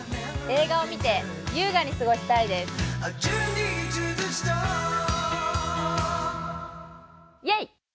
映画を見て、優雅に過ごしたいですイエイ！